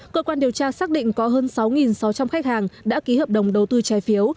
cơ quan điều tra xác định có hơn sáu sáu trăm linh khách hàng đã ký hợp đồng đầu tư trái phiếu